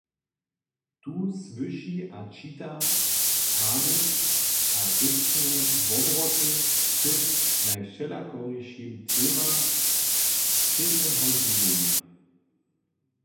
Tu słyši a čita sady a rěčne wobroty k najwšelakorišim temam wšědneho žiwjenja.